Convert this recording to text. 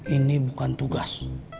ini bukan tugas